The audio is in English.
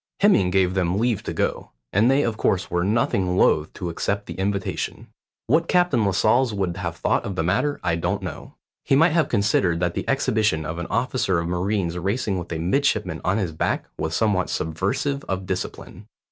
Hemming gave them leave to go, and they of course were nothing loath to accept the invitation. What Captain Lascelles would have thought of the matter I don't know. He might have considered that the exhibition of an officer of marines racing with a midshipman on his back was somewhat subversive of discipline.